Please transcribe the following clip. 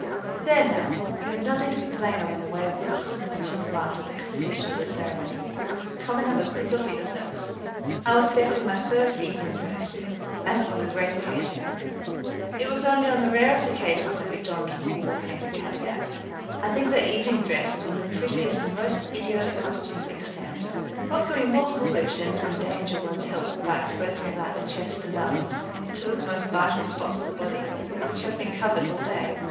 "There now, you have nothing to complain of in the way of looks," she remarked at the completion of the ceremony. "Come and have a good look at yourself." I was decked in my first evening dress, as it was a great occasion. It was only on the rarest occasion that we donned full war paint at Caddagat. I think that evening dress is one of the prettiest and most idiotic customs extant. What can be more foolish than to endanger one's health by exposing at night the chest and arms two of the most vital spots of the body which have been covered all day?